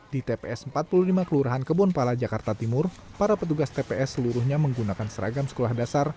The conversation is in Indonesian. di tps empat puluh lima kelurahan kebonpala jakarta timur para petugas tps seluruhnya menggunakan seragam sekolah dasar